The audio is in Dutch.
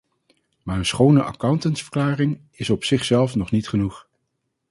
Maar een schone accountantsverklaring is op zichzelf nog niet genoeg.